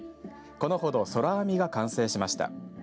このほどそらあみが完成しました。